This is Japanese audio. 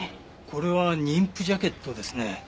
これは妊婦ジャケットですね。